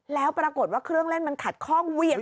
แล้วปรากฏว่าเครื่องเล่นมันขัดข้องเวียง